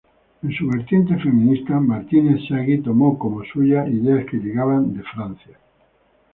En su vertiente feminista, Martínez Sagi tomó como suyas ideas que llegaban desde Francia.